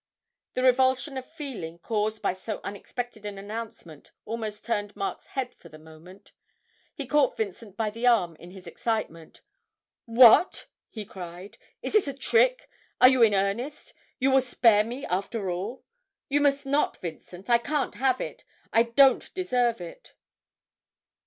The revulsion of feeling caused by so unexpected an announcement almost turned Mark's head for the moment; he caught Vincent by the arm in his excitement. 'What,' he cried, 'is this a trick are you in earnest you will spare me after all? You must not, Vincent, I can't have it I don't deserve it!'